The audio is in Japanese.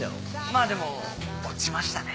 まぁでも落ちましたね。